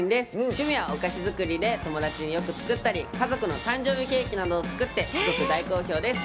趣味は、お菓子作りで友達によく作ったり家族の誕生日ケーキなどを作ってすごく大好評です。